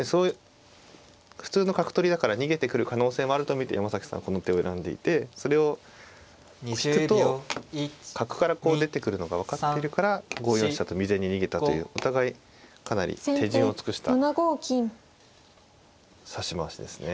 普通の角取りだから逃げてくる可能性もあると見て山崎さんはこの手を選んでいてそれを引くと角からこう出てくるのが分かってるから５四飛車と未然に逃げたというお互いかなり手順を尽くした指し回しですね。